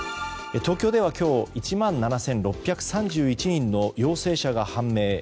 東京では今日１万７６３１人の陽性者が判明。